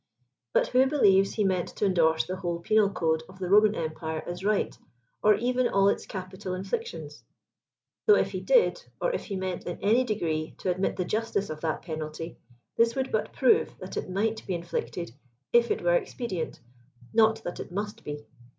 But who believes he meant to endorse the whole pe nal code of the Roman empire as right, or even all its capital inflic tions ? Though if he did, or if he meant in any degree to admit the justice of that penalty, this would but prove ihaii it might be inflicted if it were expedient, not that it must be.